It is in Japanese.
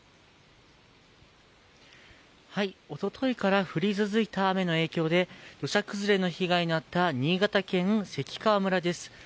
おとといから降り続いた雨の影響で、土砂崩れの被害に遭った新潟県関川村です。